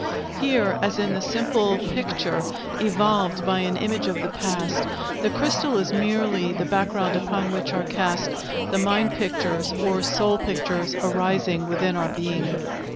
Here, as in the simple picture evolved by an image of the past, the crystal is merely the background upon which are cast the mind pictures or soul pictures arising within our being.